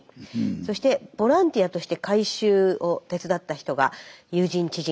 そしてボランティアとして改修を手伝った人が友人知人